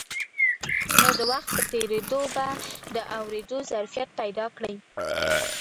نو د وخت په تېرېدو به د اورېدو ظرفيت پيدا کړي.